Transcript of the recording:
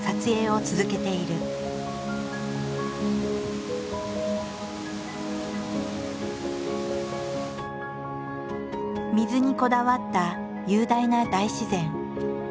水にこだわった雄大な大自然。